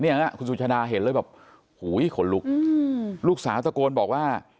คุณสุชาดาเห็นเลยแบบหูยขนลุกลูกสาวตะโกนบอกว่า